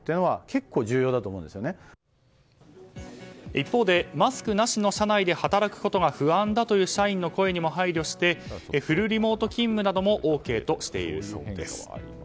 一方でマスクなしの社内で働くことが不安だという社員の声にも配慮してフルリモート勤務などもＯＫとしているそうです。